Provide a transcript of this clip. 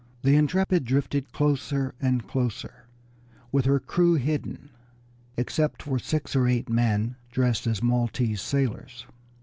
The Intrepid drifted closer and closer, with her crew hidden, except for six or eight men dressed as Maltese sailors.